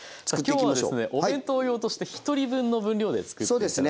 今日はですねお弁当用として１人分の分量で作って頂きます。